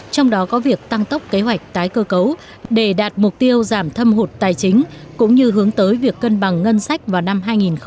trong đó có việc tăng tốc kế hoạch tái cơ cấu để đạt mục tiêu giảm thâm hụt tài chính cũng như hướng tới việc cân bằng ngân sách vào năm hai nghìn hai mươi